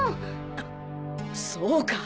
あっそうか！